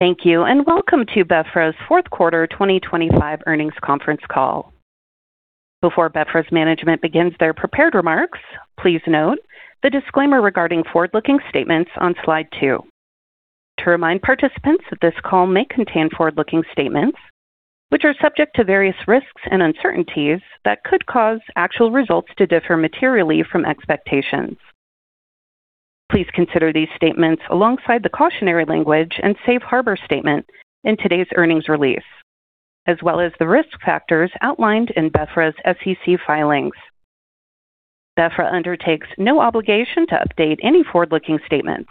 Thank you, and welcome to BeFra's fourth quarter 2025 earnings conference call. Before BeFra's management begins their prepared remarks, please note the disclaimer regarding forward-looking statements on slide two. To remind participants that this call may contain forward-looking statements, which are subject to various risks and uncertainties that could cause actual results to differ materially from expectations. Please consider these statements alongside the cautionary language and safe harbor statement in today's earnings release, as well as the risk factors outlined in BeFra's SEC filings. BeFra undertakes no obligation to update any forward-looking statements.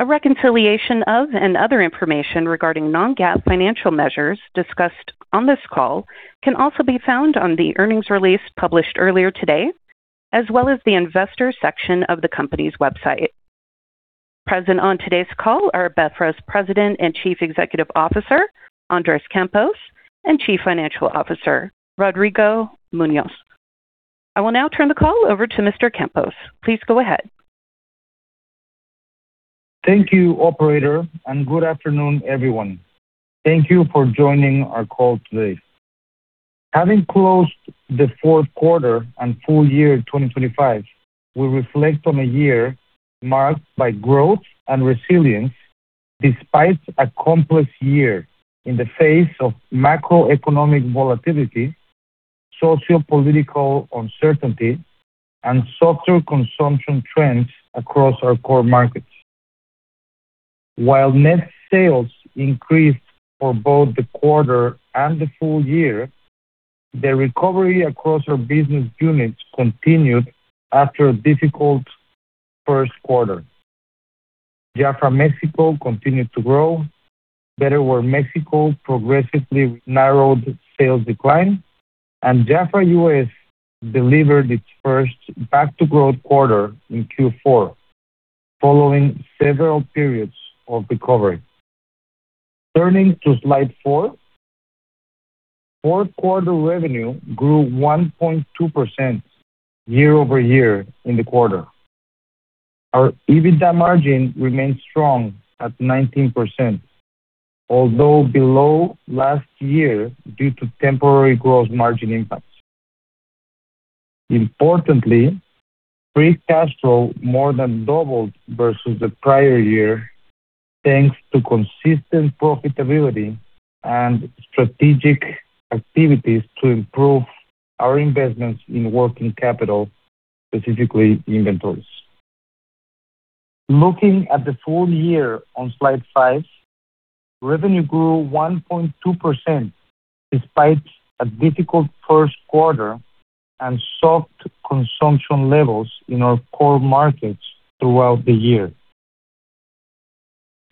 A reconciliation of, and other information regarding non-GAAP financial measures discussed on this call can also be found on the earnings release published earlier today, as well as the investor section of the company's website. Present on today's call are BeFra's President and Chief Executive Officer, Andres Campos, and Chief Financial Officer, Rodrigo Muñoz. I will now turn the call over to Mr. Campos. Please go ahead. Thank you, operator, good afternoon, everyone. Thank you for joining our call today. Having closed the fourth quarter and full year 2025, we reflect on a year marked by growth and resilience despite a complex year in the face of macroeconomic volatility, sociopolitical uncertainty, and softer consumption trends across our core markets. While net sales increased for both the quarter and the full year, the recovery across our business units continued after a difficult first quarter. Jafra Mexico continued to grow, Betterware Mexico progressively narrowed its sales decline, Jafra US delivered its first back to growth quarter in Q4, following several periods of recovery. Turning to slide four. Fourth quarter revenue grew 1.2% year-over-year in the quarter. Our EBITDA margin remains strong at 19%, although below last year due to temporary gross margin impacts. Importantly, free cash flow more than doubled versus the prior year, thanks to consistent profitability and strategic activities to improve our investments in working capital, specifically inventories. Looking at the full year on slide five, revenue grew 1.2%, despite a difficult first quarter and soft consumption levels in our core markets throughout the year.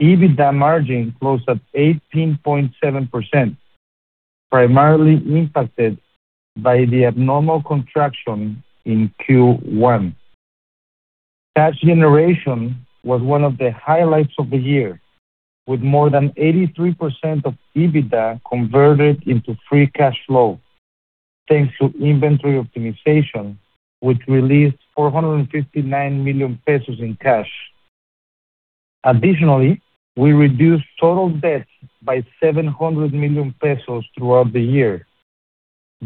EBITDA margin closed at 18.7%, primarily impacted by the abnormal contraction in Q1. Cash generation was one of the highlights of the year, with more than 83% of EBITDA converted into free cash flow, thanks to inventory optimization, which released 459 million pesos in cash. Additionally, we reduced total debt by 700 million pesos throughout the year,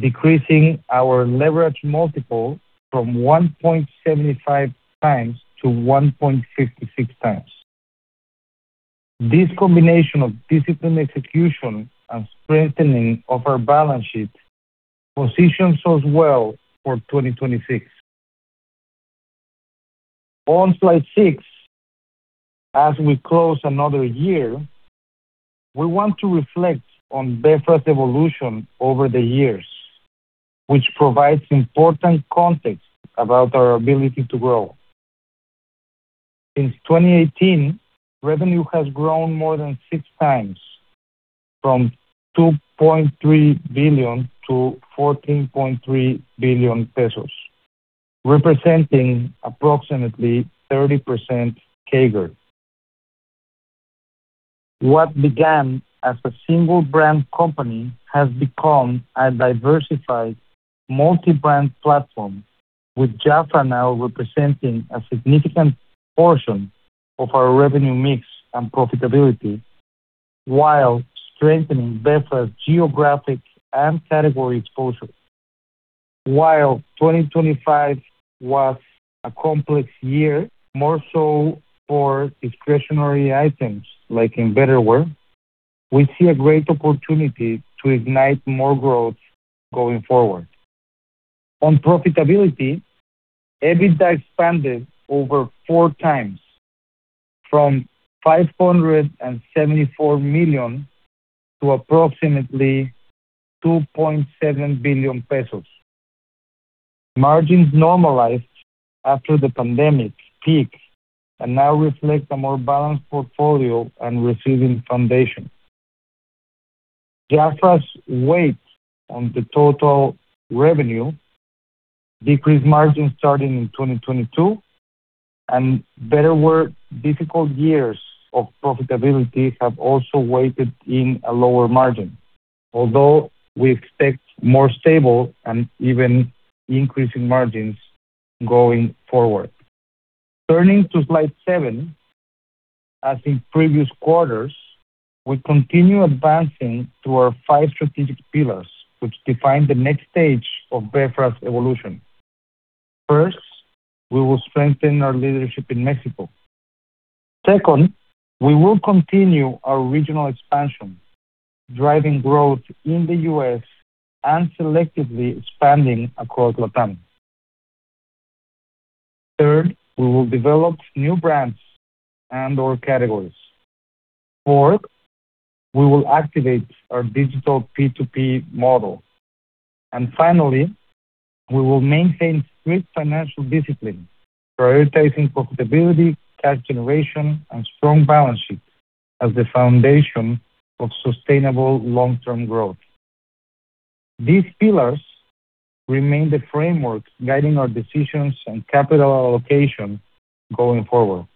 decreasing our leverage multiple from 1.75x to 1.56x. This combination of disciplined execution and strengthening of our balance sheet positions us well for 2026. On slide six, as we close another year, we want to reflect on BeFra's evolution over the years, which provides important context about our ability to grow. Since 2018, revenue has grown more than 6 times, from 2.3 billion to 14.3 billion pesos, representing approximately 30% CAGR. What began as a single brand company has become a diversified multi-brand platform, with Jafra now representing a significant portion of our revenue mix and profitability, while strengthening BeFra's geographic and category exposure. While 2025 was a complex year, more so for discretionary items like in Betterware, we see a great opportunity to ignite more growth going forward. On profitability, EBITDA expanded over 4 times, from 574 million to approximately 2.7 billion pesos. Margins normalized after the pandemic peak and now reflect a more balanced portfolio and receiving foundation. Jafra's weight on the total revenue decreased margins starting in 2022, and Betterware difficult years of profitability have also weighed in a lower margin. We expect more stable and even increasing margins going forward. Turning to slide seven. As in previous quarters, we continue advancing through our five strategic pillars, which define the next stage of BeFra's evolution. First, we will strengthen our leadership in Mexico. Second, we will continue our regional expansion, driving growth in the US and selectively expanding across Latin. Third, we will develop new brands and/or categories. Fourth, we will activate our digital P2P model. Finally, we will maintain strict financial discipline, prioritizing profitability, cash generation, and strong balance sheet as the foundation of sustainable long-term growth. These pillars remain the framework guiding our decisions and capital allocation going forward.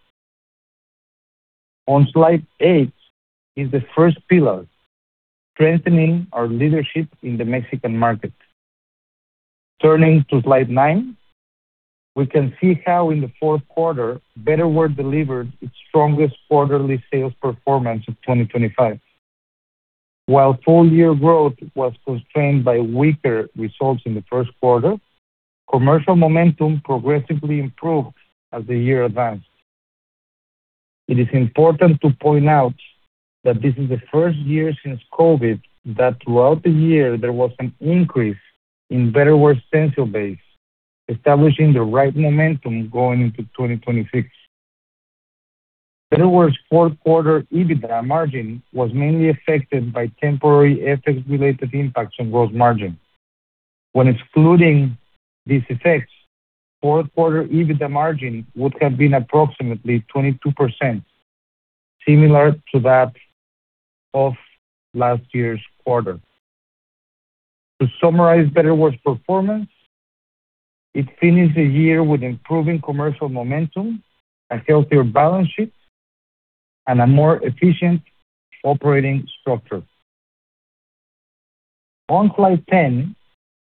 On slide eight is the first pillar, strengthening our leadership in the Mexican market. Turning to slide nine, we can see how in the fourth quarter, Betterware delivered its strongest quarterly sales performance of 2025. While full-year growth was constrained by weaker results in the first quarter, commercial momentum progressively improved as the year advanced. It is important to point out that this is the first year since Covid, that throughout the year there was an increase in Betterware associate base, establishing the right momentum going into 2026. Betterware's fourth quarter EBITDA margin was mainly affected by temporary FX-related impacts on gross margin. When excluding these effects, fourth quarter EBITDA margin would have been approximately 22%, similar to that of last year's quarter. To summarize Betterware's performance, it finished the year with improving commercial momentum, a healthier balance sheet, and a more efficient operating structure. On slide 10,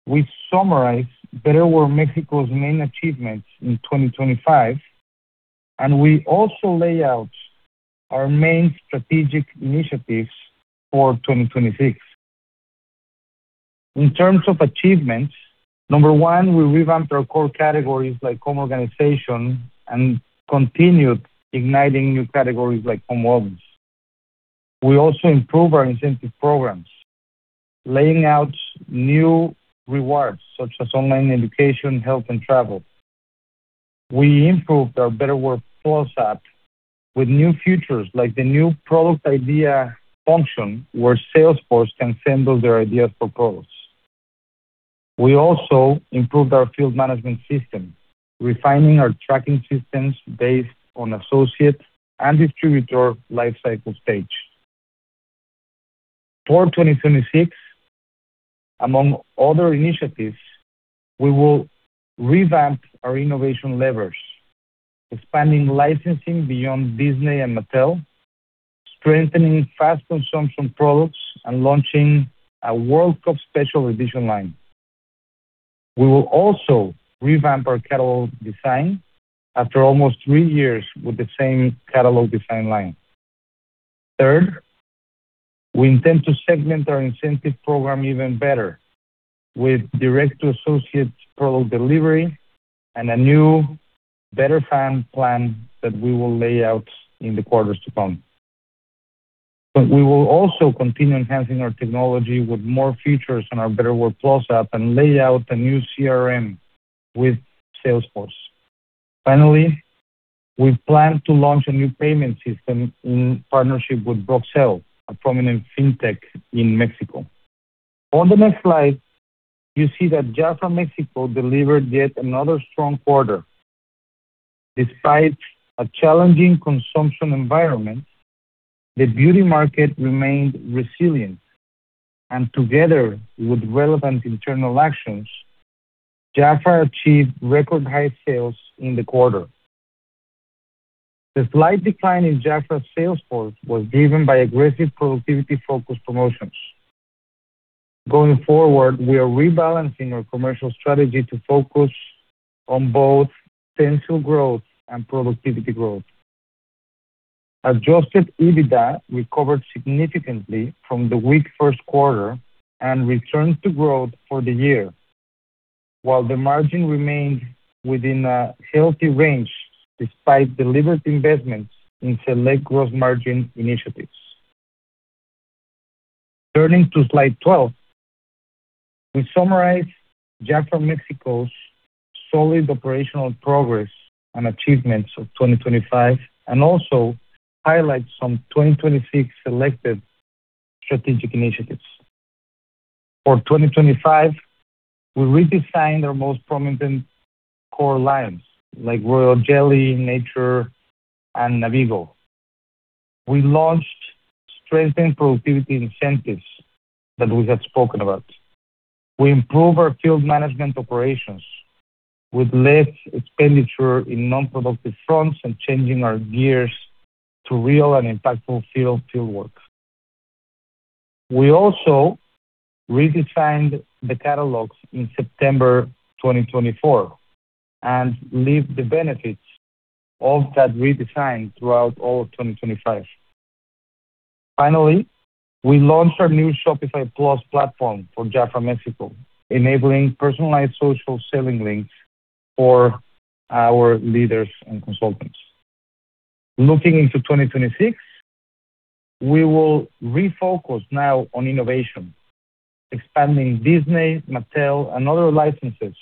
we summarize Betterware Mexico's main achievements in 2025. We also lay out our main strategic initiatives for 2026. In terms of achievements, number one, we revamped our core categories like home organization and continued igniting new categories like home ovens. We also improved our incentive programs, laying out new rewards such as online education, health, and travel. We improved our Betterware+ app with new features like the new product idea function, where sales force can send us their ideas for products. We also improved our field management system, refining our tracking systems based on associate and distributor life cycle stage. For 2026, among other initiatives, we will revamp our innovation levers, expanding licensing beyond Disney and Mattel, strengthening fast consumption products, and launching a World Cup special edition line. We will also revamp our catalog design after almost three years with the same catalog design line. Third, we intend to segment our incentive program even better with direct-to-associate product delivery and a new better fan plan that we will lay out in the quarters to come. We will also continue enhancing our technology with more features on our Betterware+ app and lay out a new CRM with Salesforce. Finally, we plan to launch a new payment system in partnership with Broxel, a prominent fintech in Mexico. On the next slide, you see that Jafra Mexico delivered yet another strong quarter. Despite a challenging consumption environment, the beauty market remained resilient, and together with relevant internal actions, Jafra achieved record high sales in the quarter. The slight decline in Jafra's sales force was driven by aggressive productivity-focused promotions. Going forward, we are rebalancing our commercial strategy to focus on both potential growth and productivity growth. Adjusted EBITDA recovered significantly from the weak first quarter and returned to growth for the year, while the margin remained within a healthy range, despite deliberate investments in select gross margin initiatives. Turning to slide 12, we summarize Jafra Mexico's solid operational progress and achievements of 2025, and also highlight some 2026 selected strategic initiatives. For 2025, we redesigned our most prominent core lines like Royal Jelly, Nature, and Navigo. We launched strengthened productivity incentives that we have spoken about.... We improve our field management operations with less expenditure in non-productive fronts and changing our gears to real and impactful field work. We also redesigned the catalogs in September 2024, leave the benefits of that redesign throughout all of 2025. We launched our new Shopify Plus platform for Jafra Mexico, enabling personalized social selling links for our leaders and consultants. Looking into 2026, we will refocus now on innovation, expanding Disney, Mattel, and other licenses,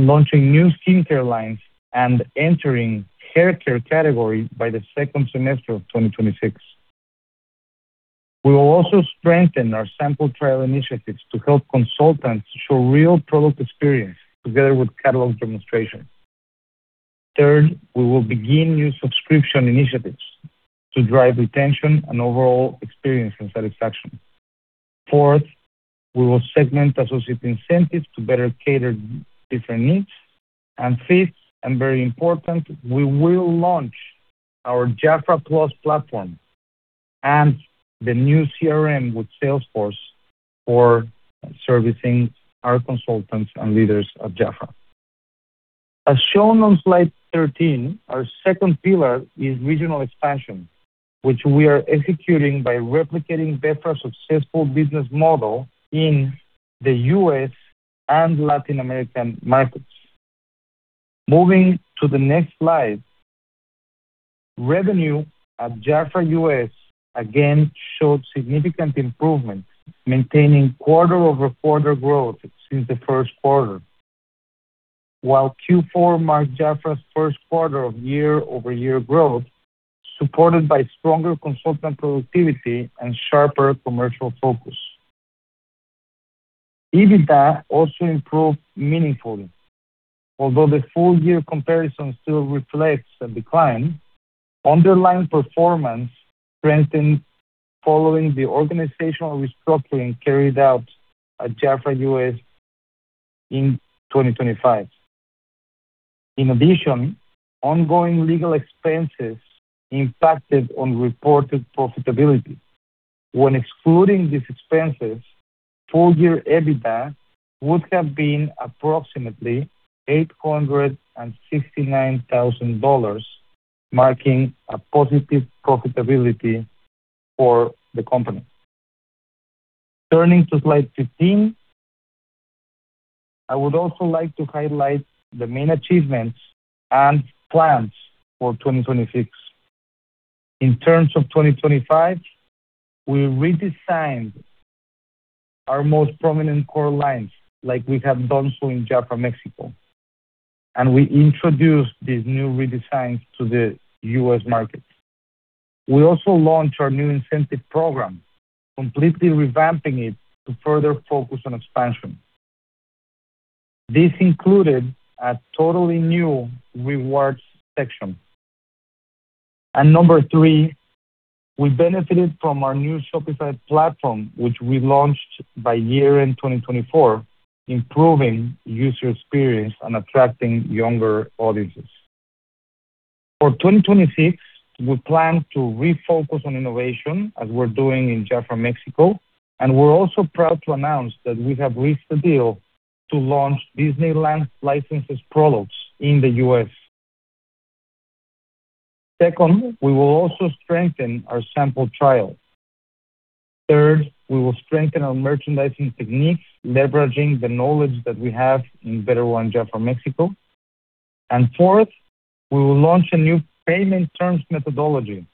launching new skincare lines and entering hair care category by the second semester of 2026. We will also strengthen our sample trial initiatives to help consultants show real product experience together with catalog demonstration. We will begin new subscription initiatives to drive retention and overall experience and satisfaction. We will segment associate incentives to better cater different needs. Fifth, and very important, we will launch our JAFRA+ platform and the new CRM with Salesforce for servicing our consultants and leaders at Jafra. As shown on slide 13, our second pillar is regional expansion, which we are executing by replicating better successful business model in the U.S. and Latin American markets. Moving to the next slide, revenue at Jafra US again showed significant improvement, maintaining quarter-over-quarter growth since the first quarter. While Q4 marked Jafra's first quarter of year-over-year growth, supported by stronger consultant productivity and sharper commercial focus. EBITDA also improved meaningfully. Although the full year comparison still reflects a decline, underlying performance strengthened following the organizational restructuring carried out at Jafra US in 2025. In addition, ongoing legal expenses impacted on reported profitability. When excluding these expenses, full year EBITDA would have been approximately $869,000, marking a positive profitability for the company. Turning to slide 15, I would also like to highlight the main achievements and plans for 2026. In terms of 2025, we redesigned our most prominent core lines, like we have done so in Jafra Mexico, and we introduced these new redesigns to the U.S. market. We also launched our new incentive program, completely revamping it to further focus on expansion. This included a totally new rewards section. Number three, we benefited from our new Shopify platform, which we launched by year-end 2024, improving user experience and attracting younger audiences. For 2026, we plan to refocus on innovation as we're doing in Jafra Mexico, and we're also proud to announce that we have reached a deal to launch Disneyland licenses products in the U.S. Second, we will also strengthen our sample trial. Third, we will strengthen our merchandising techniques, leveraging the knowledge that we have in Betterware and Jafra Mexico. Fourth, we will launch a new payment terms methodology,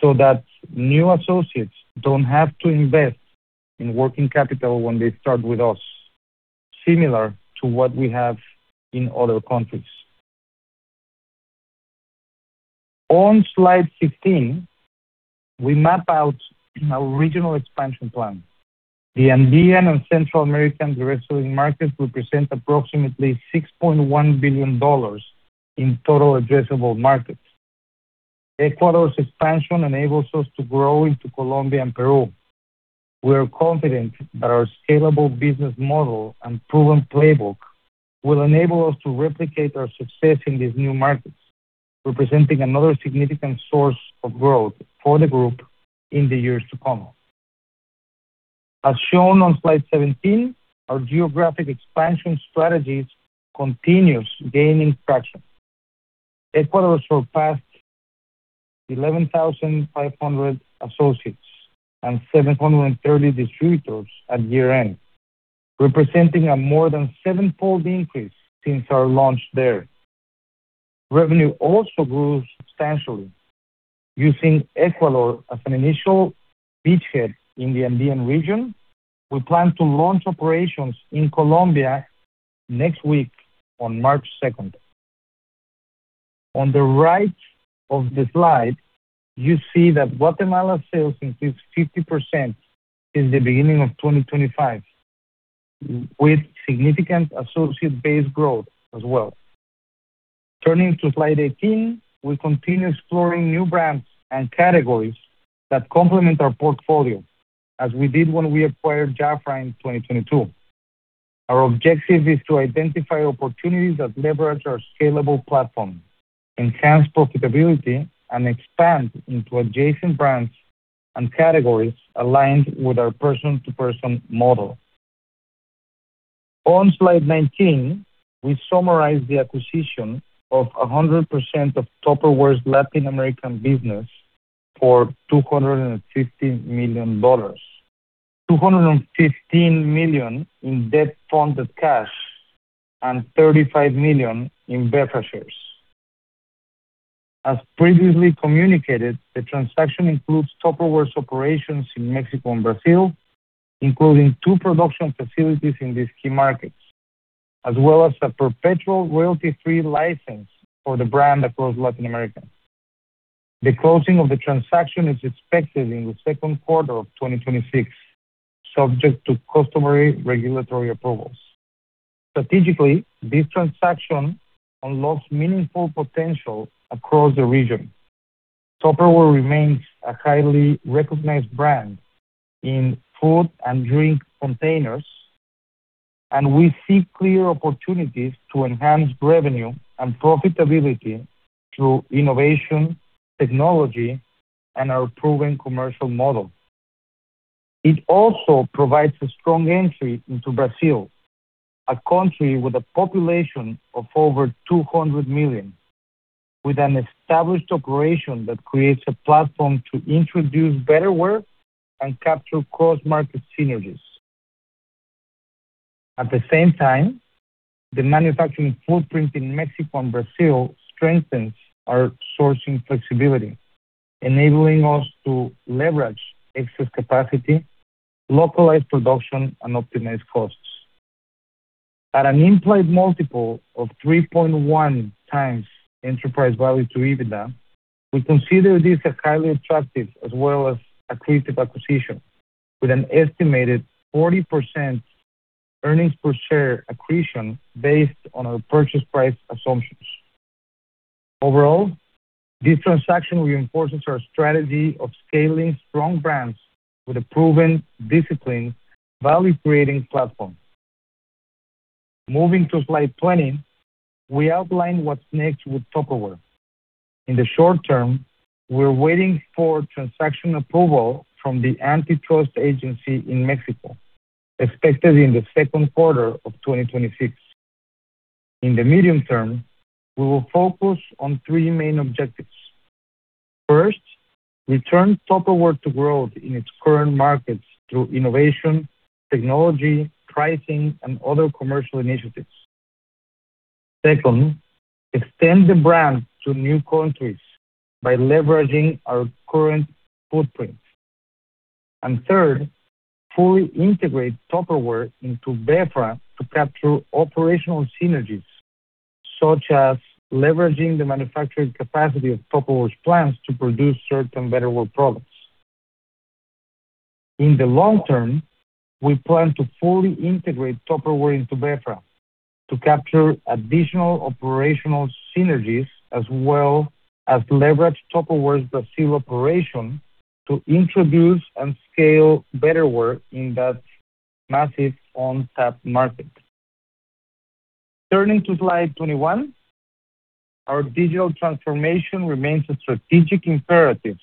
so that new associates don't have to invest in working capital when they start with us, similar to what we have in other countries. On slide 15, we map out our regional expansion plan. The Andean and Central American direct selling markets represent approximately $6.1 billion in total addressable markets. Ecuador's expansion enables us to grow into Colombia and Peru. We are confident that our scalable business model and proven playbook will enable us to replicate our success in these new markets, representing another significant source of growth for the group in the years to come. As shown on slide 17, our geographic expansion strategies continues gaining traction. Ecuador surpassed 11,500 associates and 730 distributors at year-end, representing a more than sevenfold increase since our launch there. Revenue also grew substantially. Using Ecuador as an initial beachhead in the Andean region, we plan to launch operations in Colombia next week on March second. On the right of the slide, you see that Guatemala sales increased 50% since the beginning of 2025, with significant associate-based growth as well. Turning to slide 18, we continue exploring new brands and categories that complement our portfolio, as we did when we acquired Jafra in 2022. Our objective is to identify opportunities that leverage our scalable platform, enhance profitability, and expand into adjacent brands and categories aligned with our person-to-person model. On slide 19, we summarize the acquisition of 100% of Tupperware's Latin American business for $250 million. $215 million in debt-funded cash and $35 million in BeFra's shares. As previously communicated, the transaction includes Tupperware's operations in Mexico and Brazil, including two production facilities in these key markets, as well as a perpetual royalty-free license for the brand across Latin America. The closing of the transaction is expected in the second quarter of 2026, subject to customary regulatory approvals. Strategically, this transaction unlocks meaningful potential across the region. Tupperware remains a highly recognized brand in food and drink containers, and we see clear opportunities to enhance revenue and profitability through innovation, technology, and our proven commercial model. It also provides a strong entry into Brazil, a country with a population of over 200 million, with an established operation that creates a platform to introduce Betterware and capture cross-market synergies. At the same time, the manufacturing footprint in Mexico and Brazil strengthens our sourcing flexibility, enabling us to leverage excess capacity, localize production, and optimize costs. At an implied multiple of 3.1 times enterprise value to EBITDA, we consider this a highly attractive as well as accretive acquisition, with an estimated 40% earnings per share accretion based on our purchase price assumptions. Overall, this transaction reinforces our strategy of scaling strong brands with a proven discipline, value-creating platform. Moving to slide 20, we outline what's next with Tupperware. In the short term, we're waiting for transaction approval from the antitrust agency in Mexico, expected in the second quarter of 2026. In the medium term, we will focus on three main objectives. First, return Tupperware to growth in its current markets through innovation, technology, pricing, and other commercial initiatives. Second, extend the brand to new countries by leveraging our current footprint. And Third, fully integrate Tupperware into BeFra to capture operational synergies, such as leveraging the manufacturing capacity of Tupperware's plans to produce certain Betterware products. In the long term, we plan to fully integrate Tupperware into BeFra to capture additional operational synergies, as well as leverage Tupperware's Brazil operation to introduce and scale Betterware in that massive on-tap market. Turning to slide 21, our digital transformation remains a strategic imperative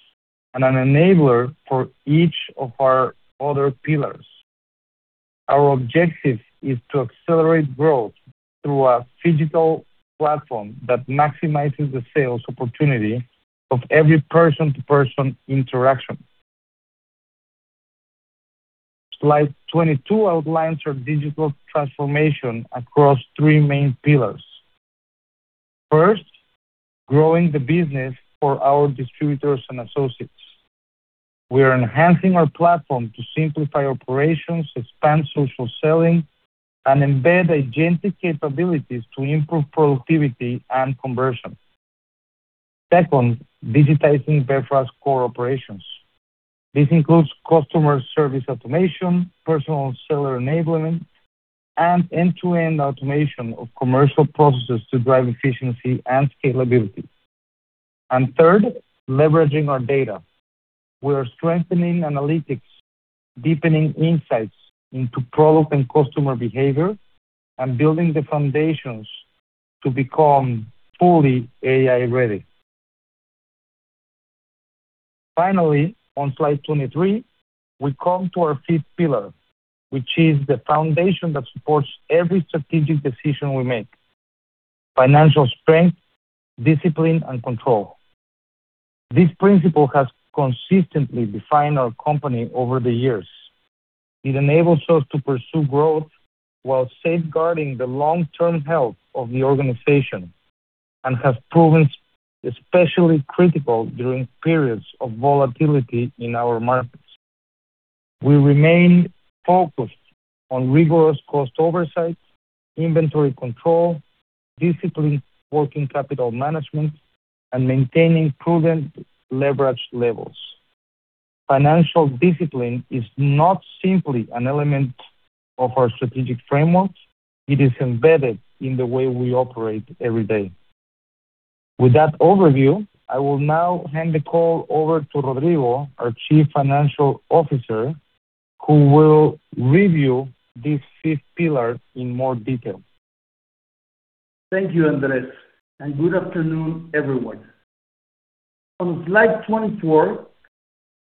and an enabler for each of our other pillars. Our objective is to accelerate growth through a physical platform that maximizes the sales opportunity of every person-to-person interaction. Slide 22 outlines our digital transformation across three main pillars. First, growing the business for our distributors and associates. We are enhancing our platform to simplify operations, expand social selling, and embed agentic capabilities to improve productivity and conversion. Second, digitizing BeFra's core operations. This includes customer service automation, personal seller enablement, and end-to-end automation of commercial processes to drive efficiency and scalability. Third, leveraging our data. We are strengthening analytics, deepening insights into product and customer behavior, and building the foundations to become fully AI-ready. Finally, on slide 23, we come to our fifth pillar, which is the foundation that supports every strategic decision we make. Financial strength, discipline, and control. This principle has consistently defined our company over the years. It enables us to pursue growth while safeguarding the long-term health of the organization and has proven especially critical during periods of volatility in our markets. We remain focused on rigorous cost oversight, inventory control, disciplined working capital management, and maintaining prudent leverage levels. Financial discipline is not simply an element of our strategic framework, it is embedded in the way we operate every day. With that overview, I will now hand the call over to Rodrigo Muñoz, our Chief Financial Officer, who will review these five pillars in more detail. Thank you, Andres. Good afternoon, everyone. On slide 24,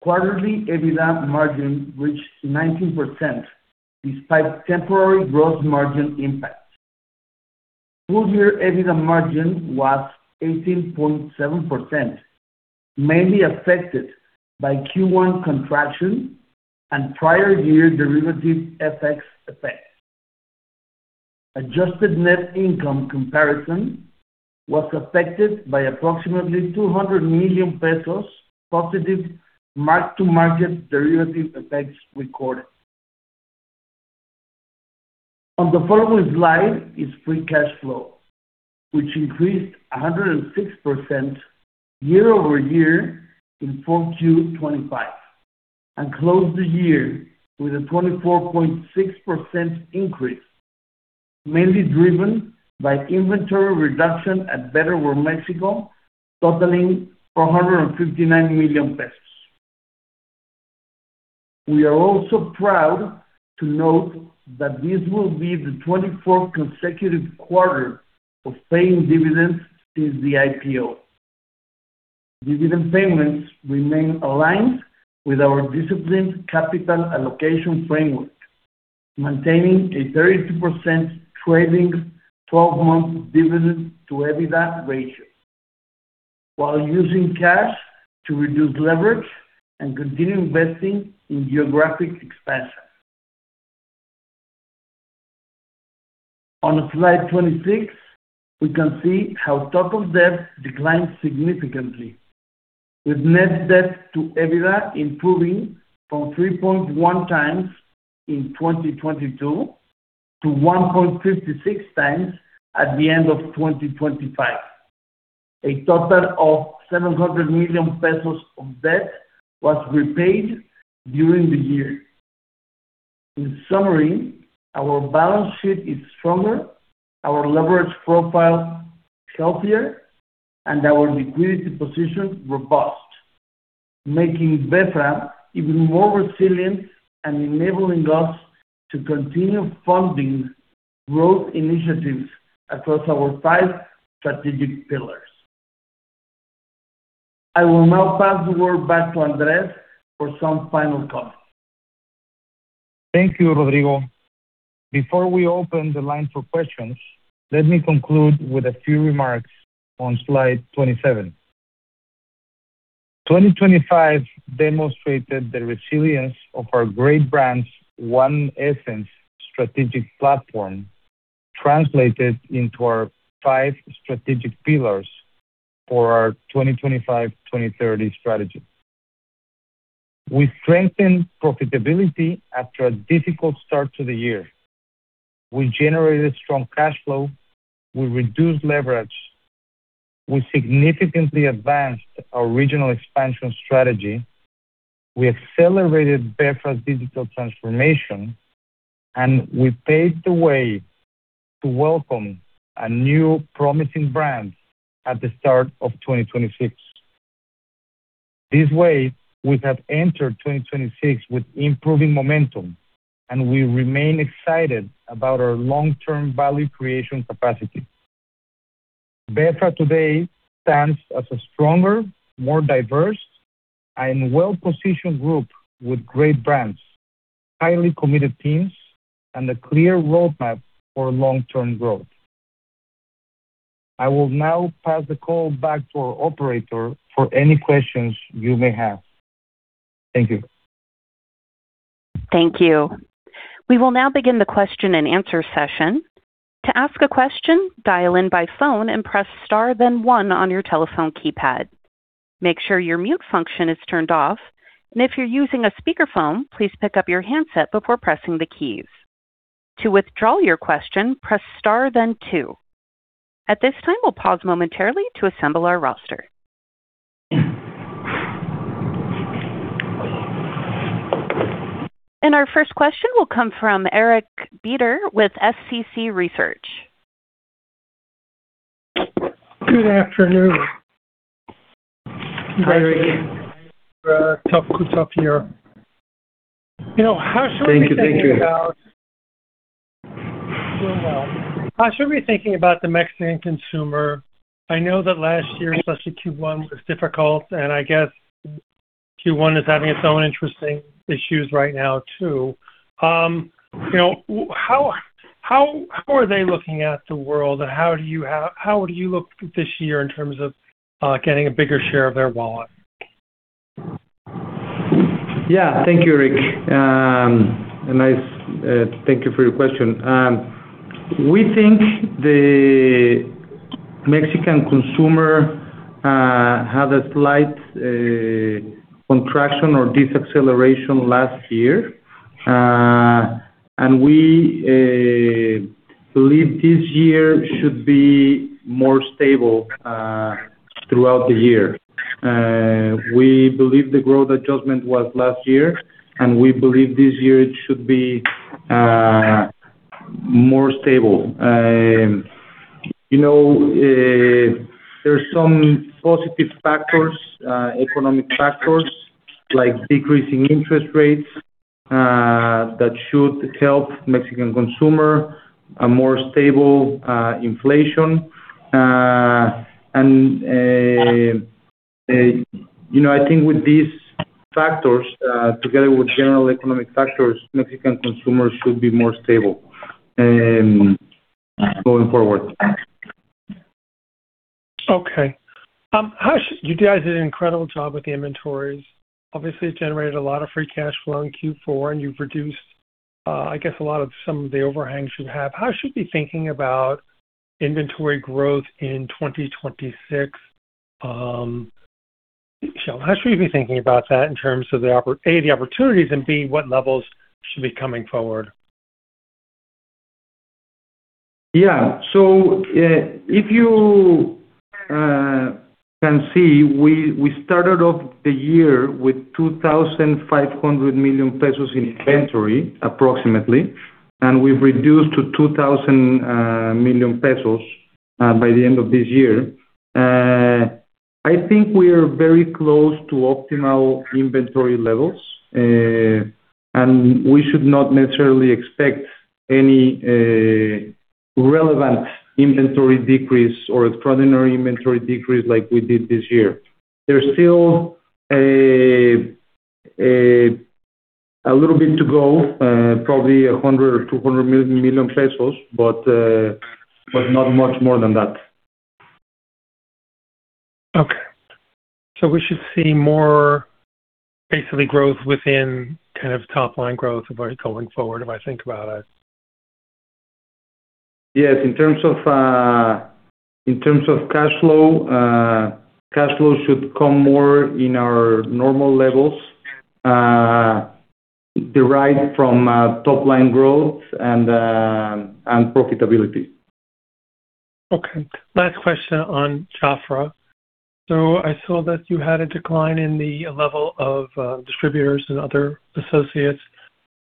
quarterly EBITDA margin reached 19%, despite temporary gross margin impact. Full year EBITDA margin was 18.7%, mainly affected by Q1 contraction and prior year derivative FX effects. Adjusted net income comparison was affected by approximately 200 million pesos positive mark-to-market derivative effects recorded. On the following slide is free cash flow, which increased 106% year-over-year in 4Q 2025, and closed the year with a 24.6% increase, mainly driven by inventory reduction at Betterware Mexico, totaling 459 million pesos. We are also proud to note that this will be the 24th consecutive quarter of paying dividends since the IPO. Dividend payments remain aligned with our disciplined capital allocation framework, maintaining a 32% trailing twelve-month dividend to EBITDA ratio, while using cash to reduce leverage and continue investing in geographic expansion. On slide 26, we can see how total debt declined significantly, with net debt to EBITDA improving from 3.1x in 2022 to 1.56x at the end of 2025. A total of 700 million pesos of debt was repaid during the year. In summary, our balance sheet is stronger, our leverage profile healthier, and our liquidity position robust, making BeFra even more resilient and enabling us to continue funding growth initiatives across our five strategic pillars. I will now pass the word back to Andres for some final comments. Thank you, Rodrigo. Before we open the line for questions, let me conclude with a few remarks on slide 27. 2025 demonstrated the resilience of our Great Brands, One Essence strategic platform, translated into our 5 strategic pillars for our 2025, 2030 strategy. We strengthened profitability after a difficult start to the year. We generated strong cash flow, we reduced leverage, we significantly advanced our regional expansion strategy, we accelerated BeFra's digital transformation, and we paved the way to welcome a new promising brand at the start of 2026. This way, we have entered 2026 with improving momentum, and we remain excited about our long-term value creation capacity. BeFra today stands as a stronger, more diverse, and well-positioned group with great brands, highly committed teams, and a clear roadmap for long-term growth. I will now pass the call back to our operator for any questions you may have. Thank you. Thank you. We will now begin the question and answer session. To ask a question, dial in by phone and press star, then one on your telephone keypad. Make sure your mute function is turned off, and if you're using a speakerphone, please pick up your handset before pressing the keys. To withdraw your question, press star then two. At this time, we'll pause momentarily to assemble our roster. Our first question will come from Eric Beder with SCC Research. Good afternoon. Hi, Eric. Tough, tough year. You know, how should we... Thank you. Thank you. How should we be thinking about the Mexican consumer? I know that last year, especially Q1, was difficult. I guess Q1 is having its own interesting issues right now, too. You know, how are they looking at the world? How do you look this year in terms of getting a bigger share of their wallet? Yeah. Thank you, Eric. Thank you for your question. We think the Mexican consumer had a slight contraction or deceleration last year. We believe this year should be more stable throughout the year. We believe the growth adjustment was last year, and we believe this year it should be more stable. You know, there's some positive factors, economic factors, like decreasing interest rates, that should help Mexican consumer, a more stable inflation, and, you know, I think with these factors, together with general economic factors, Mexican consumers should be more stable going forward. Okay. You guys did an incredible job with the inventories. Obviously, it generated a lot of free cash flow in Q4, and you've reduced, I guess a lot of some of the overhangs you have. How should we be thinking about inventory growth in 2026? How should we be thinking about that in terms of A, the opportunities, and B, what levels should be coming forward? If you can see, we started off the year with 2,500 million pesos in inventory, approximately, and we've reduced to 2,000 million pesos by the end of this year. I think we are very close to optimal inventory levels, and we should not necessarily expect any relevant inventory decrease or extraordinary inventory decrease like we did this year. There's still a little bit to go, probably 100 million or 200 million pesos, but not much more than that. Okay. We should see more basically growth within kind of top-line growth going forward, if I think about it. Yes, in terms of, in terms of cash flow, cash flow should come more in our normal levels, derived from, top-line growth and profitability. Okay, last question on Jafra. I saw that you had a decline in the level of distributors and other associates,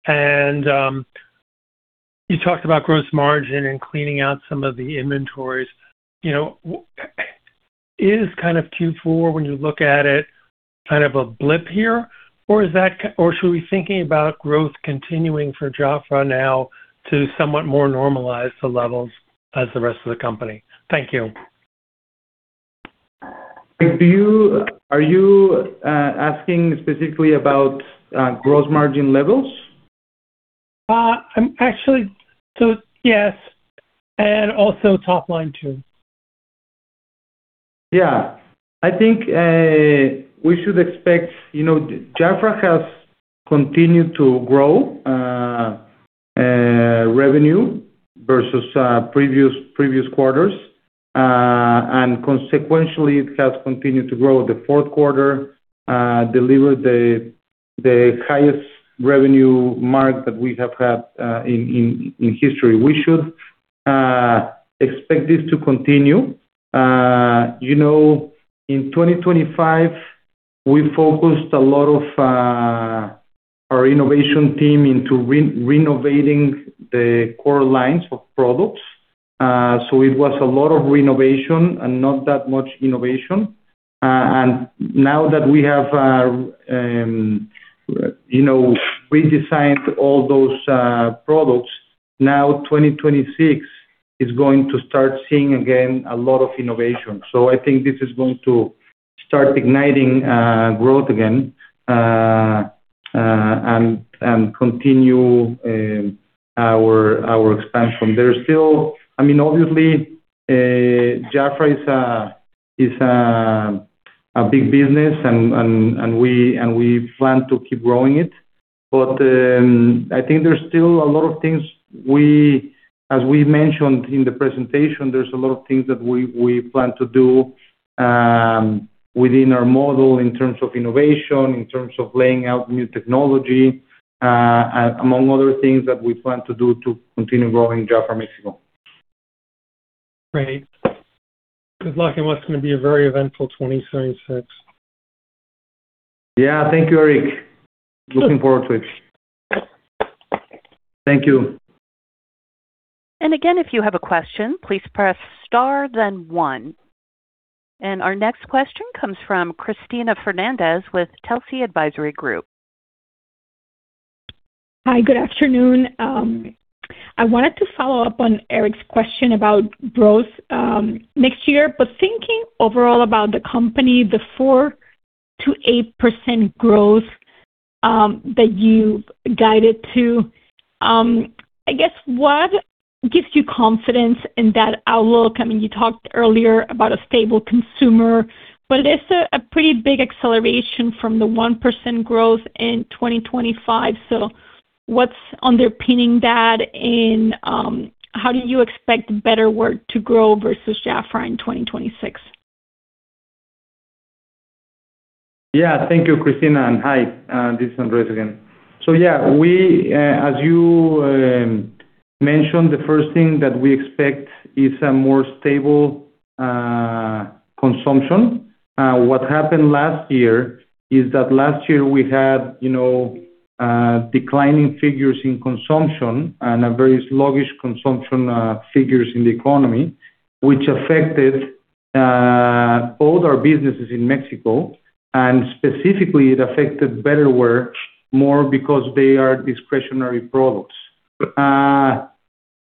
and you talked about gross margin and cleaning out some of the inventories. You know, is kind of Q4 when you look at it, kind of a blip here, or is that? Should we be thinking about growth continuing for Jafra now to somewhat more normalize the levels as the rest of the company? Thank you. Do you, are you, asking specifically about, gross margin levels? Yes, and also top line, too. Yeah. I think, we should expect, you know, Jafra has continued to grow revenue versus previous quarters, and consequentially, it has continued to grow. The fourth quarter delivered the highest revenue mark that we have had in history. We should expect this to continue. You know, in 2025, we focused a lot of our innovation team into renovating the core lines of products. So it was a lot of renovation and not that much innovation. And now that we have, you know, redesigned all those products, now 2026 is going to start seeing again a lot of innovation. I think this is going to start igniting growth again and continue our expansion. There's still... I mean, obviously, Jafra is a big business and we plan to keep growing it. I think there's still a lot of things as we mentioned in the presentation, there's a lot of things that we plan to do within our model in terms of innovation, in terms of laying out new technology, among other things that we plan to do to continue growing Jafra Mexico. Great. Good luck. It looks going to be a very eventful 2026. Yeah. Thank you, Eric. Looking forward to it. Thank you. Again, if you have a question, please press star then one. Our next question comes from Cristina Fernández with Telsey Advisory Group. Hi, good afternoon. I wanted to follow up on Eric's question about growth next year, but thinking overall about the company, the 4%-8% growth that you've guided to, I guess what gives you confidence in that outlook? I mean, you talked earlier about a stable consumer, but it is a pretty big acceleration from the 1% growth in 2025. What's underpinning that? How do you expect Betterware to grow versus Jafra in 2026? Yeah, thank you, Cristina, and hi, this is Andres again. We, as you mentioned, the first thing that we expect is a more stable consumption. What happened last year is that last year we had, you know, declining figures in consumption and a very sluggish consumption figures in the economy, which affected all our businesses in Mexico, and specifically, it affected Betterware more because they are discretionary products.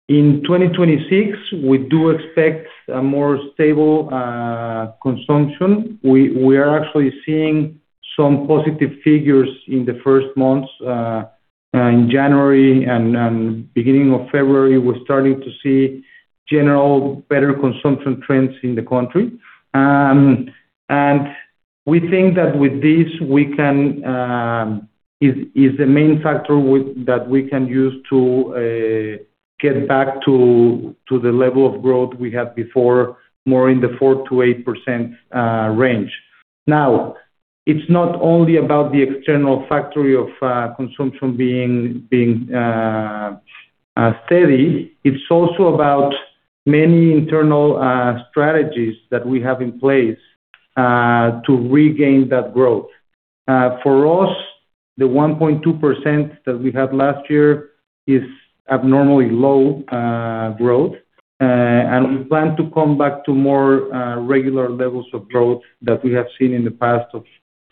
In 2026, we do expect a more stable consumption. We are actually seeing some positive figures in the first months, in January and beginning of February, we're starting to see general better consumption trends in the country. We think that with this, we can is the main factor that we can use to get back to the level of growth we had before, more in the 4%-8% range. It's not only about the external factory of consumption being steady, it's also about many internal strategies that we have in place to regain that growth. For us, the 1.2% that we had last year is abnormally low growth, and we plan to come back to more regular levels of growth that we have seen in the past of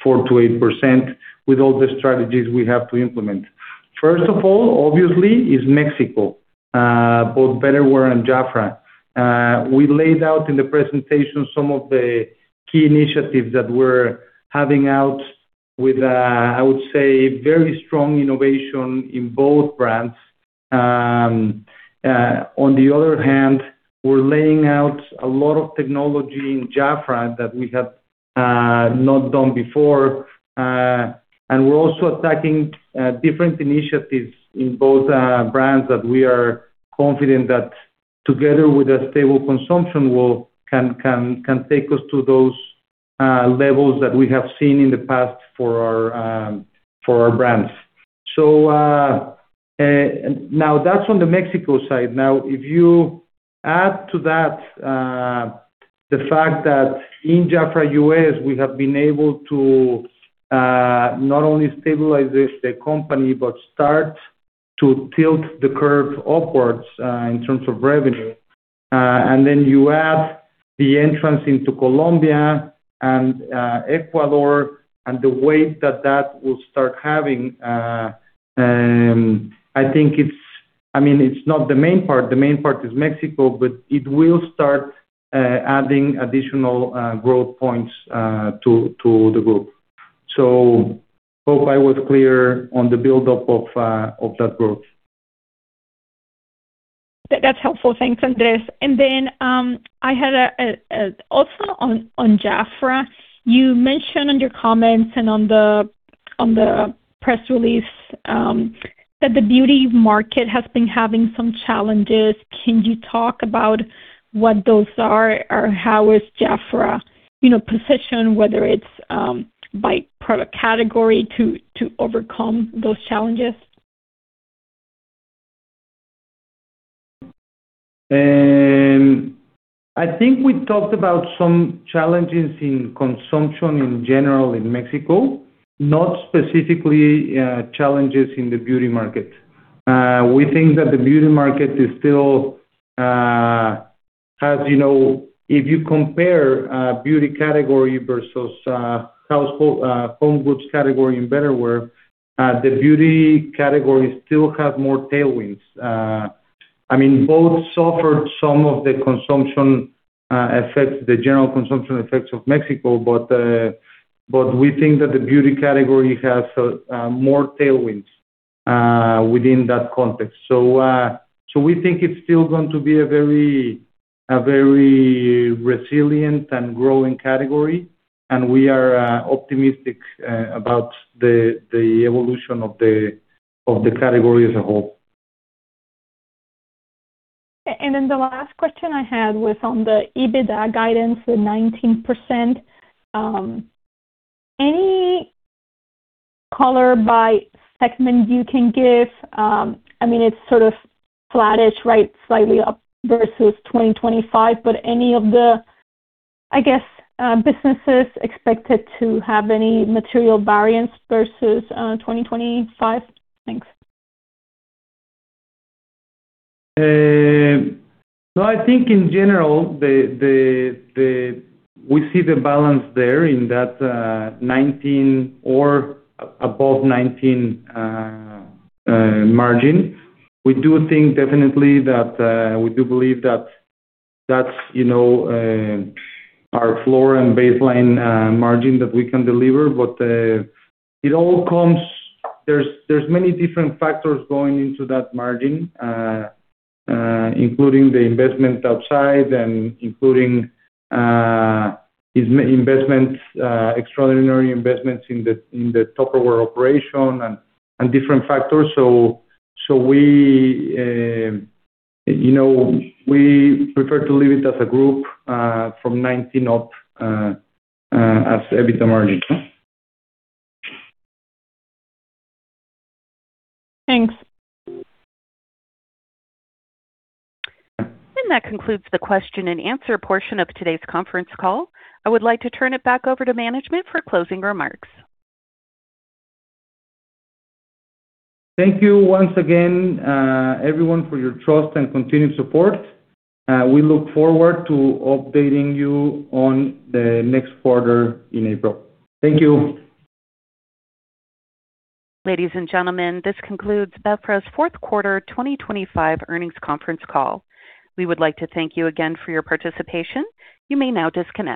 4%-8% with all the strategies we have to implement. First of all, obviously, is Mexico, both Betterware and Jafra. We laid out in the presentation some of the key initiatives that we're having out with, I would say, very strong innovation in both brands. On the other hand, we're laying out a lot of technology in Jafra that we have not done before, and we're also attacking different initiatives in both brands that we are confident that together with a stable consumption will can take us to those levels that we have seen in the past for our for our brands. Now, that's on the Mexico side. If you add to that, the fact that in Jafra US, we have been able to not only stabilize the company, but start to tilt the curve upwards in terms of revenue. You add the entrance into Colombia and Ecuador, and the weight that that will start having, I think it's I mean, it's not the main part, the main part is Mexico, but it will start adding additional growth points to the group. Hope I was clear on the buildup of that growth. That's helpful. Thanks, Andres. Then, I had also on Jafra, you mentioned in your comments and on the press release, that the beauty market has been having some challenges. Can you talk about what those are, or how is Jafra, you know, positioned, whether it's by product category, to overcome those challenges? I think we talked about some challenges in consumption in general in Mexico, not specifically, challenges in the beauty market. We think that the beauty market is still, as you know, if you compare, beauty category versus household, home goods category in Betterware, the beauty category still have more tailwinds. I mean, both suffered some of the consumption, effects, the general consumption effects of Mexico, but we think that the beauty category has more tailwinds within that context. We think it's still going to be a very, a very resilient and growing category, and we are optimistic about the evolution of the category as a whole. Then the last question I had was on the EBITDA guidance, the 19%. Any color by segment you can give? I mean, it's sort of flattish, right? Slightly up versus 2025, but any of the, I guess, businesses expected to have any material variance versus 2025? Thanks. I think in general, we see the balance there in that 19% or above 19% margin. We do think definitely that we do believe that that's, you know, our floor and baseline margin that we can deliver, but there's many different factors going into that margin, including the investment outside and including investments, extraordinary investments in the Tupperware operation and different factors. We, you know, we prefer to leave it as a group, from 19% up, as EBITDA margin. Thanks. That concludes the question and answer portion of today's conference call. I would like to turn it back over to management for closing remarks. Thank you once again, everyone, for your trust and continued support. We look forward to updating you on the next quarter in April. Thank you. Ladies and gentlemen, this concludes BeFra's fourth quarter, 2025 earnings conference call. We would like to thank you again for your participation. You may now disconnect.